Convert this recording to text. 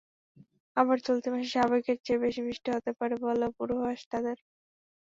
আবার চলতি মাসে স্বাভাবিকের চেয়ে বেশি বৃষ্টি হতে পারে বলেও পূর্বাভাস তাদের।